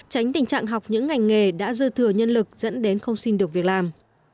tránh tình trạng học những ngành nghề đã dư thừa nhân lực dẫn đến không xin được việc làm